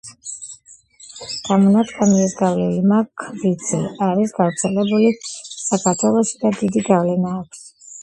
გამონათქვამი''ეს განვლილი მაქ ვიცი'' არის გავრცელებული საქართველოში და დიდი გავლენა აქვს